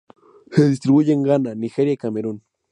Se distribuye en Ghana, Nigeria y Camerún.